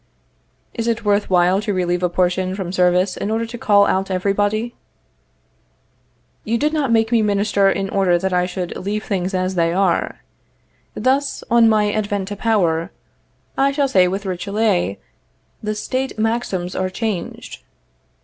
Is it worth while to relieve a portion from service in order to call out everybody? You did not make me Minister in order that I should leave things as they are. Thus, on my advent to power, I shall say with Richelieu, "the State maxims are changed."